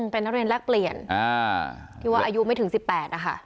เป็นนักเรียนแลกเปลี่ยนที่ว่าอายุไม่ถึง๑๘นะคะ